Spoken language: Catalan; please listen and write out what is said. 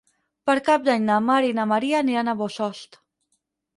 Per Cap d'Any na Mar i na Maria iran a Bossòst.